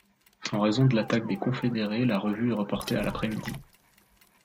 En raison de l'attaque des confédérés, la revue est reportée à l'après-midi.